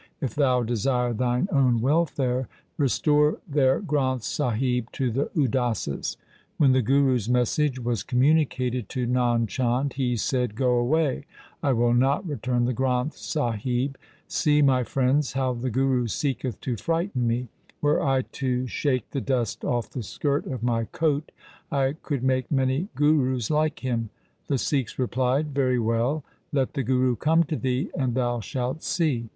If thou desire thine own welfare, restore their Granth Sahib to the Udasis.' When the Guru's message was communi cated to Nand Chand, he said, ' Go away ; I will not return the Granth Sahib. See, my friends, how the Guru seeketh to frighten me. Were I to shake the dust off the skirt of my coat, I could make many Gurus like him.' The Sikhs replied, ' Very well ; let the Guru come to thee, and thou shalt see.